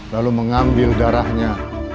lalu mengambil darahnya